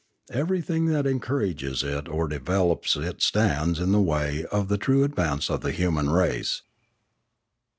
Everything that encourages it or develops it stands in the way of the true advance of the human race.